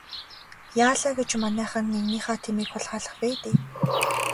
Яалаа гэж манайхан нэгнийхээ тэмээг хулгайлах вэ дээ.